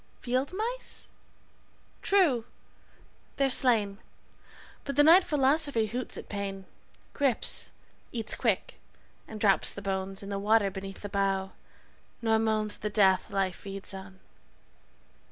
Field mice?' True, they're slain, But the night philosophy hoots at pain, Grips, eats quick, and drops the bones In the water beneath the bough, nor moans At the death life feeds on).